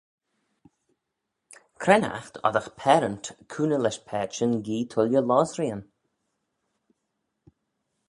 Cre'n aght oddagh paarant cooney lesh paitçhyn gee tooilley lossreeyn?